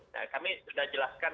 nah kami sudah jelaskan